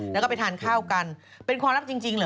แล้วก็ไปทานข้าวกันเป็นความรักจริงเหรอ